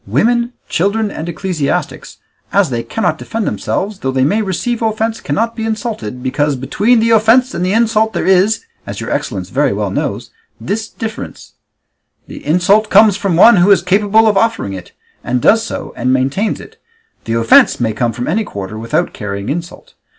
Women, children, and ecclesiastics, as they cannot defend themselves, though they may receive offence cannot be insulted, because between the offence and the insult there is, as your excellence very well knows, this difference: the insult comes from one who is capable of offering it, and does so, and maintains it; the offence may come from any quarter without carrying insult.